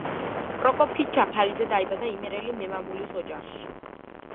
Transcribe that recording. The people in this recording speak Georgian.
პროკოფი ჯაფარიძე დაიბადა იმერელი მემამულის ოჯახში.